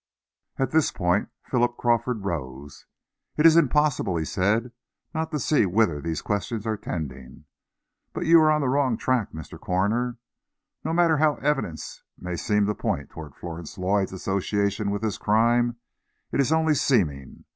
At this point Philip Crawford rose. "It is impossible," he said, "not to see whither these questions are tending. But you are on the wrong tack, Mr. Coroner. No matter how evidence may seem to point toward Florence Lloyd's association with this crime, it is only seeming.